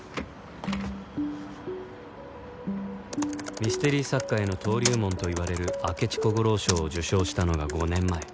ミステリ作家への登竜門といわれる明智小五郎賞を受賞したのが５年前